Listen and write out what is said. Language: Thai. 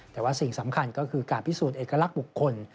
แต่ว่าสิ่งสำคัญก็คือการพิสูจน์เอกลักษณ์บุคคล